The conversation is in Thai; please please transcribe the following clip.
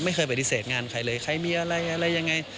ไม่เคยปฏิเสธงานใครเลยใครมีอะไรอะไรยังไง